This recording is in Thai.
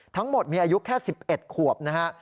ทั้งหมดมีอายุแค่๑๑ขวบนะฮะ